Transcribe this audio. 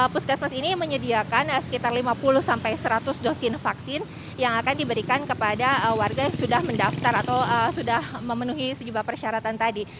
puskesmas ini menyediakan sekitar lima puluh sampai seratus dosis vaksin yang akan diberikan kepada warga yang sudah mendaftar atau sudah memenuhi sejumlah persyaratan tadi